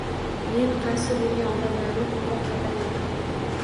Men qarshi bo‘lgan odamlarni ko‘proq qadrlayman.